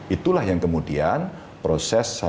itulah yang kemudian proses saya sampaikan